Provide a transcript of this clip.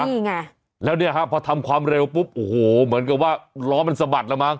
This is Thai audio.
นี่ไงแล้วเนี่ยฮะพอทำความเร็วปุ๊บโอ้โหเหมือนกับว่าล้อมันสะบัดแล้วมั้